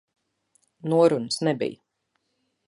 Norunas nebija.